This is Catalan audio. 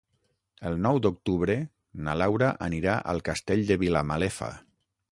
El nou d'octubre na Laura anirà al Castell de Vilamalefa.